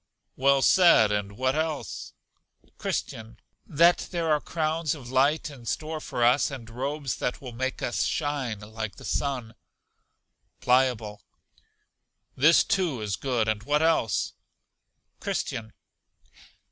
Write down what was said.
Well said, and what else? Christian. That there are crowns of light in store for us, and robes that will make us shine like the sun. Pliable. This, too, is good; and what else? Christian.